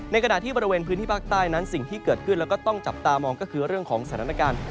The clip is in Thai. ขณะที่บริเวณพื้นที่ภาคใต้นั้นสิ่งที่เกิดขึ้นแล้วก็ต้องจับตามองก็คือเรื่องของสถานการณ์